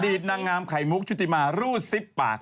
ตนางงามไข่มุกชุติมารูดซิบปาก